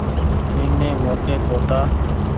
نيني موٽي توتآ ۔